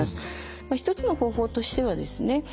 一つの方法としてはですね